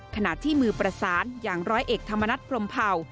ขณะที่มือประสานอย่างร้อยเอกธรรมนัฐพรมเผ่า